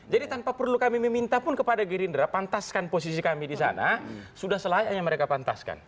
jadi tanpa perlu kami meminta pun kepada gerindra pantaskan posisi kami di sana sudah selayaknya mereka pantaskan